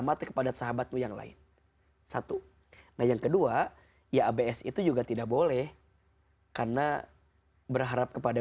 mati kepada sahabatmu yang lain satu nah yang kedua ya abs itu juga tidak boleh karena berharap kepada